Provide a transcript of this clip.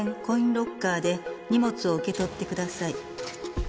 コインロッカーで荷物を受け取って下さい」